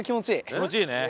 気持ちいいね。